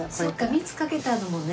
みつかけたのもね。